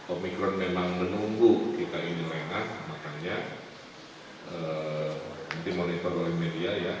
omicron memang menunggu kita ini lengah makanya nanti monitor oleh media ya